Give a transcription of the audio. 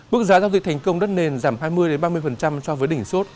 mức giá giao dịch thành công đất nền giảm hai mươi ba mươi so với đỉnh suốt